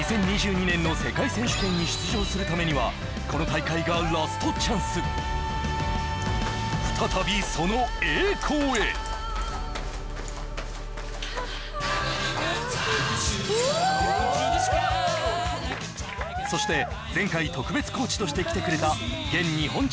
２０２２年の世界選手権に出場するためにはこの大会がラストチャンス再びその栄光へそして前回特別コーチとして来てくれた現日本